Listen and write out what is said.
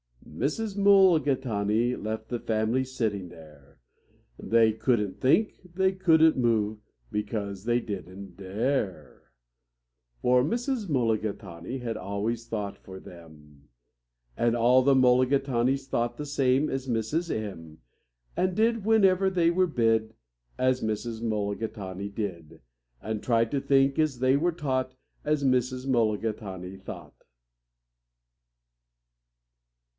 Mrs. Mulligatawny left the family sitting there. They couldn't think, they couldn't move, because they didn't dare; For Mrs. Mulligatawny had always thought for them, And all the Mulligatawnys thought the same as Mrs. M., And did, whenever they were bid, As Mrs. Mulligatawny did, And tried to think, as they were taught, As Mrs. Mulligatawny thought.